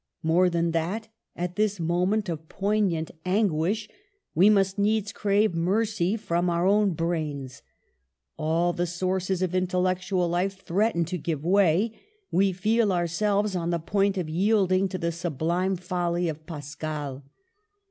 More than that, at this mo ment of poignant anguish, we must needs crave mercy from our own brains; all the sources of intellectual life threaten to give way; we feel ourselves on the point of yielding to the sublime folly of Pascal.